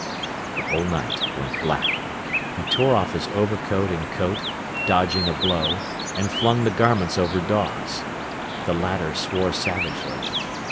The whole night went black. He tore off his overcoat and coat, dodging a blow, and flung the garments over Dawes. The latter swore savagely.